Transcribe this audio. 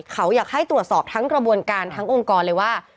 เขาอยากให้ตรวจสอบทั้งกระบวนการทั้งองค์กรเลยว่า